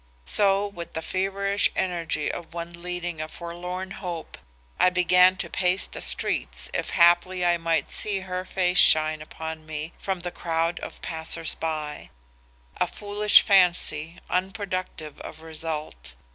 So with the feverish energy of one leading a forlorn hope, I began to pace the streets if haply I might see her face shine upon me from the crowd of passers by; a foolish fancy, unproductive of result!